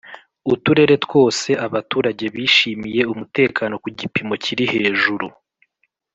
uturere twose abaturage bishimiye umutekano ku gipimo kiri hejuru